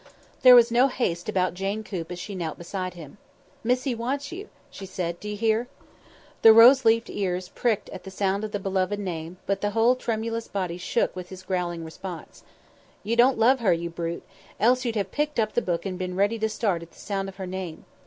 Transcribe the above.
There was no haste about Jane Coop as she knelt beside him. "Missie wants you," she said. "D'you hear?" The rose leaf ears pricked at the sound of the beloved name, but the whole tremendous body shook with his growling response. "You don't love her, you brute, else you'd have picked up the book and been ready to start at the sound of her name.